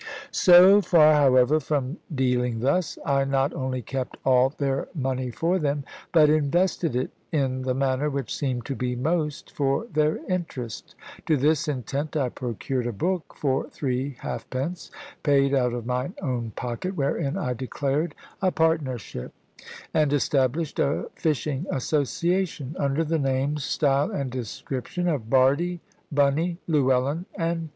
So far, however, from dealing thus, I not only kept all their money for them, but invested it in the manner which seemed to be most for their interest. To this intent I procured a book for three halfpence (paid out of mine own pocket), wherein I declared a partnership, and established a fishing association, under the name, style, and description of "Bardie, Bunny, Llewellyn, and Co."